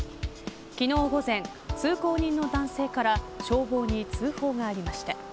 昨日午前、通行人の男性から消防に通報がありました。